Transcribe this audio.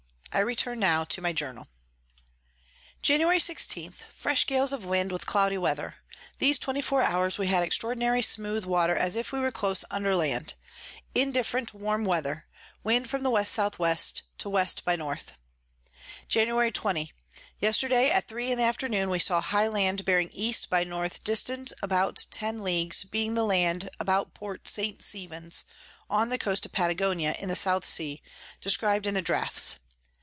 I return now to my Journal. Jan. 16. Fresh Gales of Wind with cloudy Weather. These 24 hours we had extraordinary smooth Water, as if we were close under Land: Indifferent warm Weather. Wind from the W S W. to W by N. January 20. Yesterday at three in the Afternoon we saw high Land bearing E by N. dist. about 10 Ls. being the Land about Port St. Stephen's on the Coast of Patagonia in the South Sea, describ'd in the Draughts.